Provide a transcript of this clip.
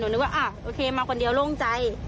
ชื่อเก่อโอเคมาคนเดียวโล่งใจ